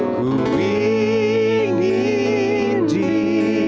ku ingin dirimu